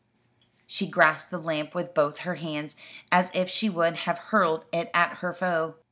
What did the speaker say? She grasped the lamp with both her hands, as if she would have hurled it at her foe.